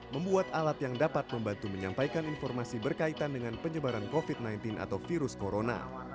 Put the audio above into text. membuat alat yang dapat membantu menyampaikan informasi berkaitan dengan penyebaran covid sembilan belas atau virus corona